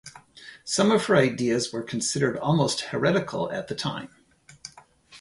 Some of her ideas were considered almost heretical at the time.